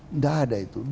tidak ada itu